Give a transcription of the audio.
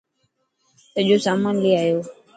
سڄو سامان لي آيو.